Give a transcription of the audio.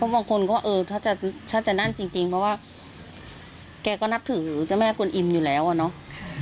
บางคนก็เออถ้าจะนั่นจริงเพราะว่าแกก็นับถือเจ้าแม่กวนอิมอยู่แล้วอะเนาะ